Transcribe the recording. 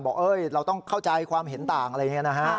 เราต้องเข้าใจความเห็นต่างอะไรอย่างนี้นะฮะ